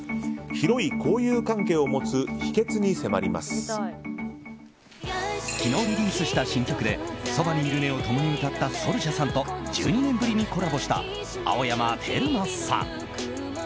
広い交友関係を持つ秘訣に昨日リリースした新曲で「そばにいるね」を共に歌ったＳｏｕｌＪａさんと１２年ぶりにコラボした青山テルマさん。